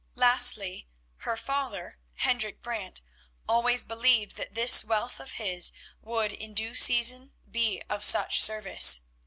Lastly, her father, Hendrik Brant, always believed that this wealth of his would in due season be of such service.